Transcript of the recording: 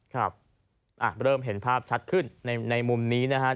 ครับเริ่มเห็นภาพชัดขึ้นในมุมนี้นะครับ